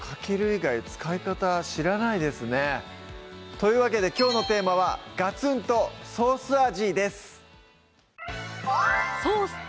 以外使い方知らないですねというわけできょうのテーマは「ガツンとソース味」です